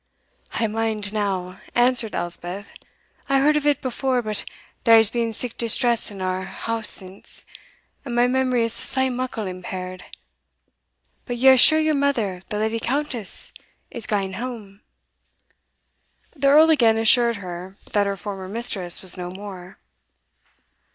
"I mind now," answered Elspeth "I heard of it before but there has been sic distress in our house since, and my memory is sae muckle impaired But ye are sure your mother, the Lady Countess, is gane hame?" The Earl again assured her that her former mistress was no more.